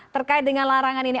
terkait dengan larangan ini